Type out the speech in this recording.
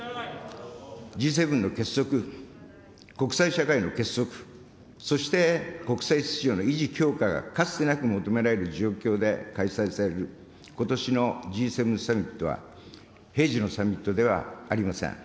Ｇ７の結束、国際社会の結束、そして国際秩序の維持・強化がかつてなく求められる状況で開催されることしのＧ７サミットは、平時のサミットではありません。